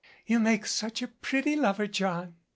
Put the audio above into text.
You make such a pretty lover, John.